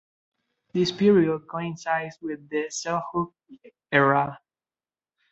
This period coincides with the Seljuk era.